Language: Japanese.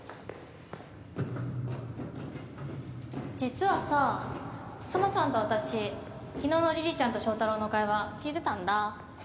実はさ紗奈さんと私昨日の梨々ちゃんと正太郎の会話聞いてたんだ。